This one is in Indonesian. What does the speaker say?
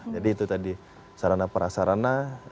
jadi itu tadi sarana prasarana